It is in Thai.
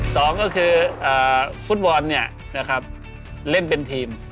สองก็คือฟุตบอลเล่นเป็นทีม